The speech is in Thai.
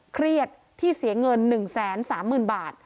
เครียดที่เสียเงิน๑๓๐๐๐บาท